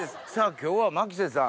今日は牧瀬さん